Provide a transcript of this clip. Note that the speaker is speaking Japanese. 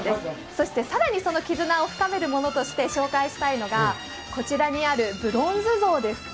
そして更にその絆を深めるものとして紹介したいのがこちらにあるブロンズ像です。